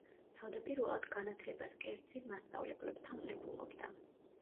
თავდაპირველად განათლებას კერძი მასწავლებლებთან ღებულობდა.